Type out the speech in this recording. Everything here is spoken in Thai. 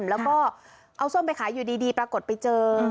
แล้วก็เอาส้มไปขายอยู่ดีปรากฏไปเจอ